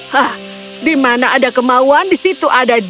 hah di mana ada kemauan di situ ada dia